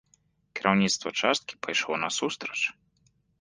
Кіраўніцтва часткі пайшло насустрач.